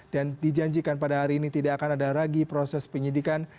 dan dijanjikan pada hari ini tidak akan ada lagi proses penyidikan